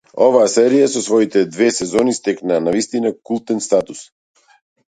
Оваа серија со своите две сезони стекна навистина култен статус.